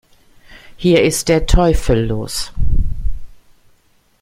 Hier ist der Teufel los!